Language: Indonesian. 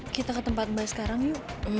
kita ke tempat mbak sekarang yuk